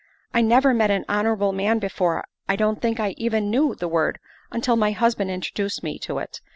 I never met an honorable man before I don't think I even knew the word until my husband introduced me to it.